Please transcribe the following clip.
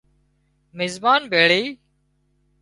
مزمان ڀيۯي